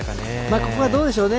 ここはどうでしょうね